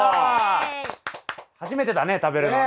初めてだね食べるのね。